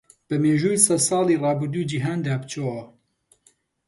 بە میژووی سەدساڵی ڕابردوو جیهاند بچۆوە.